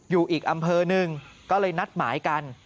อยู่อีกอำเภอหนึ่งก็เลยนัดหมายกัน